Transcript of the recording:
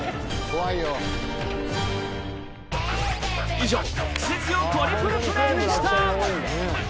以上クセ強トリプルプレーでした。